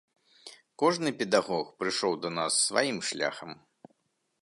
Кожны педагог прыйшоў да нас сваім шляхам.